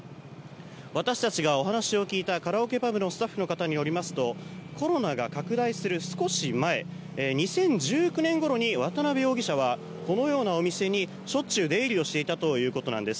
私たちがお話を聞いたカラオケパブのスタッフの方によりますとコロナが拡大する少し前２０１９年ごろに渡邉容疑者はこのようなお店にしょっちゅう出入りをしていたということです。